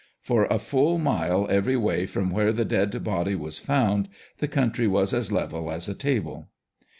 For a full mile every way, from where the dead body was found, the country was as level as a table.